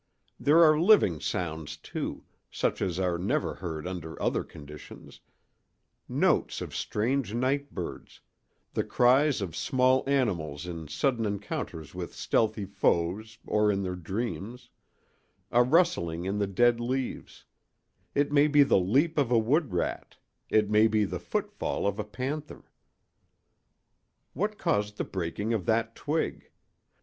There are living sounds, too, such as are never heard under other conditions: notes of strange night birds, the cries of small animals in sudden encounters with stealthy foes or in their dreams, a rustling in the dead leaves—it may be the leap of a wood rat, it may be the footfall of a panther. What caused the breaking of that twig?